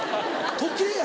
時計やろ？